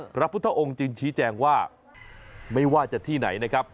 พระพุทธองค์จึงชี้แจงว่าไม่ว่าจะที่ไหนนะครับ